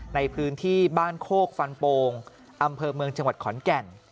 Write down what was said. ในพื้นที่บ้านโคกฟันโปงอำเภอเมืองจังหวัดขอนแก่น